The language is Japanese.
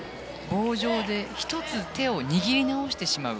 棒上で１つ手を握りなおしてします。